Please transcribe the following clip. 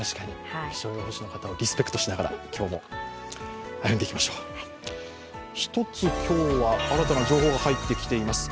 気象予報士の方をリスペクトしながら、今日も歩んでいきましょう一つ、今日は新たな情報が入ってきています。